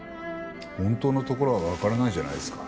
本当のところはわからないじゃないですか。